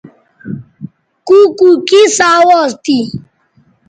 کُوکُو کیں سو اواز تھی؟